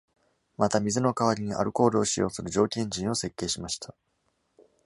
また、水の代わりにアルコールを使用する蒸気エンジンを設計しました。